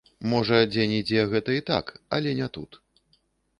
Можа, дзе-нідзе гэта і так, але не тут.